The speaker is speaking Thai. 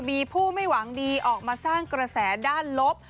มีผู้ไม่หวังดีออกมาสร้างกระแสด้านลบ